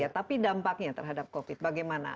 tapi dampaknya terhadap covid bagaimana